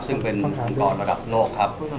ซึ่งเป็นฟุตบอลระดับโลกครับ